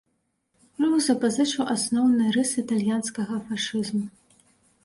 Рух запазычыў асноўныя рысы італьянскага фашызму.